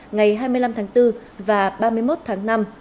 ngày hai mươi năm tháng bốn và ba mươi một tháng năm